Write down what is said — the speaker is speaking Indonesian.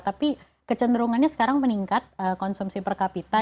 tapi kecenderungannya sekarang meningkat konsumsi per kapita